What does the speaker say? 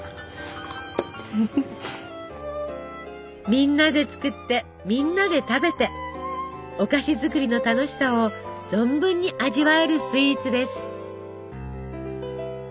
みんなで作ってみんなで食べてお菓子作りの楽しさを存分に味わえるスイーツです。